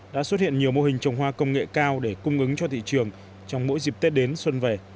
đã xuất hiện nhiều mô hình trồng hoa công nghệ cao để cung ứng cho thị trường trong mỗi dịp tết đến xuân về